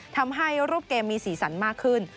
ทำให้รูปเกมมีสีสันมากขึ้น